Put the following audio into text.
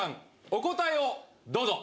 お答えをどうぞ」